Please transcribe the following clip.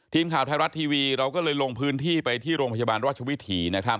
ทีมข่าวไทยรัฐทีวีเราก็เลยลงพื้นที่ไปที่โรงพยาบาลราชวิถีนะครับ